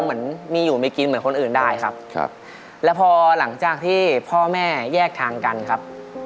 เหมือนมีอยู่มีกินเหมือนคนอื่นได้ครับครับแล้วพอหลังจากที่พ่อแม่แยกทางกันครับ